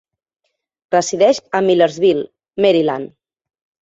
Resideix a Millersville, Maryland.